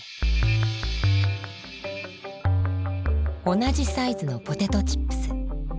同じサイズのポテトチップス。